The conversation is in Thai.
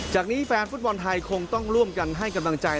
จากนี้แฟนฟุตบอลไทยคงต้องร่วมกันให้กำลังใจ